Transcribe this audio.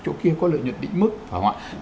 chỗ kia có lợi nhuận định mức phải không ạ